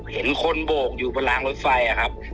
เห็นคนโบกอยู่บนรางรถไฟอะครับ